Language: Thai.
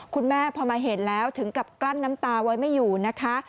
คุณแม่พอมาเห็นแล้วถึงกับกลั้นน้ำตาไว้ไม่อยู่นะคะ